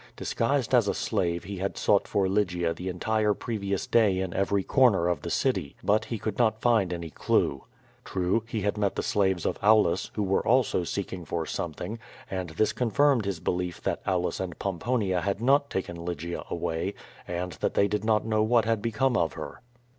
Disguised as a slave he had sought for Lygia the entire previous day in every comer of the city, but he could not find any clue. True, he QUO YADIS. 107 had met the slaves of Aulus, who were also seeking for some thing, and this confirmed his belief that Aulus and Pomponia had not taken Lygia away, and that they did not know what had become of her.